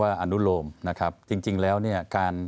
ว่าอนุโลมนะครับจริงแล้วเนี่ย